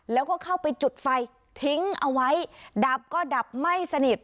แล้วก็เข้าไปจุดไฟทิ้งเอาไว้ดับก็ดับไม่สนิท